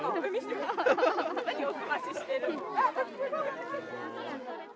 何お澄まししてるの。